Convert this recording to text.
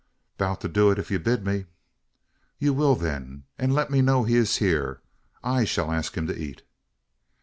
"Boun' to do it, ef you bid me." "You will, then; and let me know he is here. I shall ask him to eat."